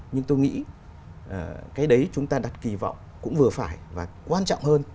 nhưng tôi nghĩ cái đấy chúng ta đặt kỳ vọng cũng vừa phải và quan trọng hơn